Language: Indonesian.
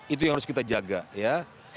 itu yang harus kita jaga ya